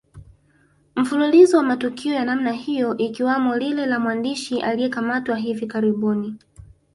Mfululizo wa matukio ya namna hiyo ikiwamo lile la mwandishi aliyekamatwa hivi karibuni